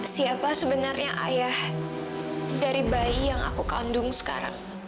siapa sebenarnya ayah dari bayi yang aku kandung sekarang